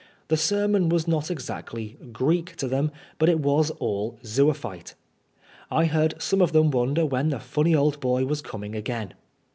The sermon was not exactly '* Oreek '^ to them, but it was all " zoophyte." I heard some of them wonder when that funny old boy was coming again.